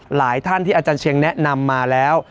หลายท่านที่อาจารย์เชียงแนะนำมาแล้ว